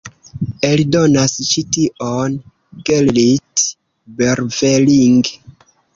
Eldonas ĉi tion Gerrit Berveling.